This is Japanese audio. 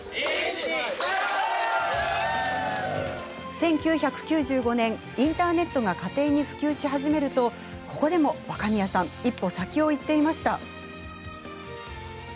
１９９５年、インターネットが家庭に普及し始めるとここでも若宮さん一歩先を行っていました。